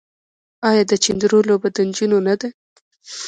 آیا د چيندرو لوبه د نجونو نه ده؟